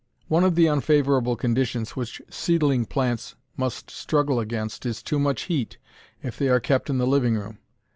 One of the unfavorable conditions which seedling plants must struggle against is too much heat, if they are kept in the living room.